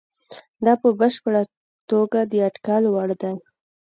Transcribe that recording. دا په بشپړه توګه د اټکل وړ دي.